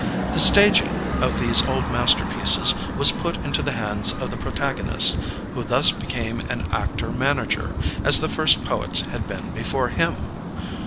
The staging of these old masterpieces was put into the hands of the protagonist, who thus became an actor manager, as the first poets had been before him.